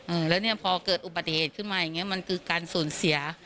อืมแล้วเนี้ยพอเกิดอุบัติเหตุขึ้นมาอย่างเงี้มันคือการสูญเสีย